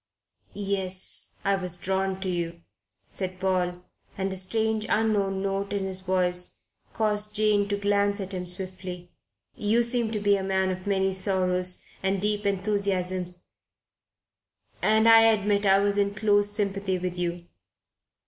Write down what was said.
"Yes, I was drawn to you," said Paul, and a strange, unknown note in his voice caused Jane to glance at him swiftly. "You seemed to be a man of many sorrows and deep enthusiasms and I admit I was in close sympathy with you."